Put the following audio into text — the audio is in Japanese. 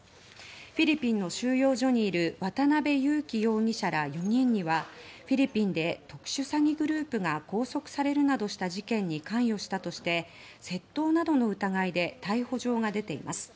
フィリピンの収容所にいる渡邉優樹容疑者ら４人はフィリピンで特殊詐欺グループが拘束されるなどした事件に関与したとして窃盗などの疑いで逮捕状が出ています。